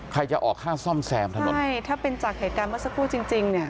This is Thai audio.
ใครจะออกค่าซ่อมแซมถนนใช่ถ้าเป็นจากเหตุการณ์เมื่อสักครู่จริงจริงเนี่ย